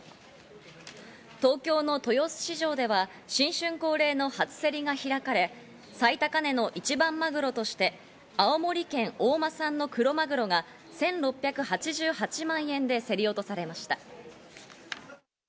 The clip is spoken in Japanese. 東京の豊洲市場では新春恒例の初競りが開かれ、最高値の一番マグロとして青森県大間産のクロマグロが１６８８万円で競り落とされました。